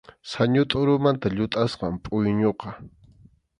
Sañu tʼurumanta llutʼasqam pʼuyñuqa.